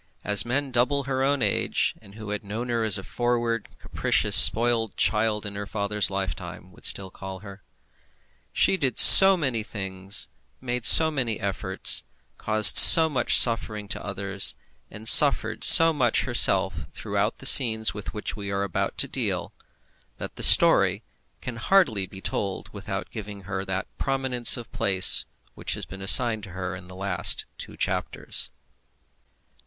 as men double her own age, and who had known her as a forward, capricious, spoilt child in her father's lifetime, would still call her. She did so many things, made so many efforts, caused so much suffering to others, and suffered so much herself throughout the scenes with which we are about to deal, that the story can hardly be told without giving her that prominence of place which has been assigned to her in the last two chapters.